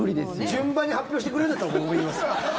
順番に発表してくれるんだったら僕も言います。